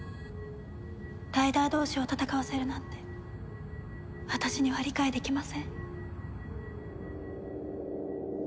ライダー同士を戦わせるなんて私には理解できません。